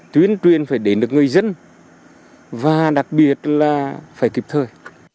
tuyên truyền phải đến được người dân và đặc biệt là phải kịp thời